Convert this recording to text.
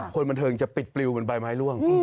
คนบันเทิงจะปิดปลิวเป็นใบไม้ล่วง